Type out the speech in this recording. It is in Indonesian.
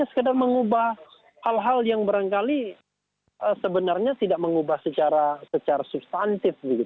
sekedar mengubah hal hal yang barangkali sebenarnya tidak mengubah secara substantif